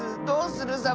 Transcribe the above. どうする？